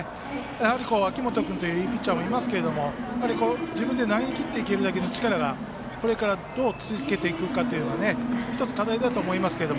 やはり、秋本君といういいピッチャーもいますけれども自分で投げ切っていけるだけの力をこれからどうつけていけるかというのも１つ課題だと思いますけど。